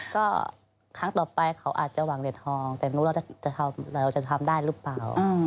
ก็ครั้งต่อไปเขาอาจจะหวังเหรียญทองแต่ไม่รู้เราจะทำได้หรือเปล่า